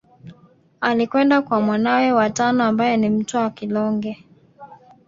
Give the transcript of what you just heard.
Alikwenda kwa mwanawe wa tano ambaye ni Mtwa Kilonge